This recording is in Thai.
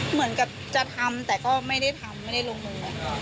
เหมือนกับจะทำแต่ก็ไม่ได้ทำไม่ได้ลงมือ